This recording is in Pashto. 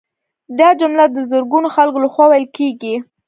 دا جمله د زرګونو خلکو لخوا ویل کیږي